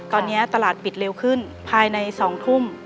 ตอนนี้ตลาดปิดเร็วขึ้นภายใน๒ทุ่ม